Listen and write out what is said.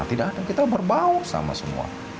tidak ada kita berbau sama semua